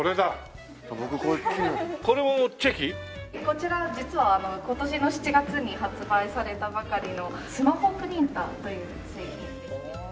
こちら実は今年の７月に発売されたばかりのスマホプリンターという製品ですね。